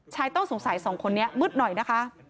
ชายต้องสงสัยสองคนนี้มืดหน่อยนะคะ